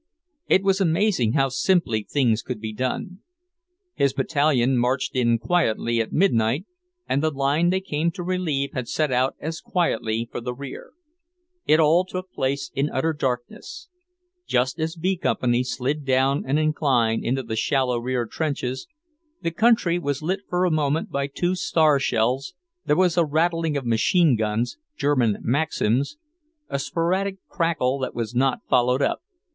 It was amazing how simply things could be done. His battalion had marched in quietly at midnight, and the line they came to relieve had set out as silently for the rear. It all took place in utter darkness. Just as B Company slid down an incline into the shallow rear trenches, the country was lit for a moment by two star shells, there was a rattling of machine guns, German Maxims, a sporadic crackle that was not followed up.